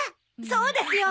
そうですよ！